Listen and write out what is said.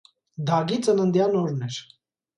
Դագի ծննդյան օրն էր։